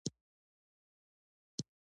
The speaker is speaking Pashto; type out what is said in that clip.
جانداد د خلکو زړه نه ماتوي.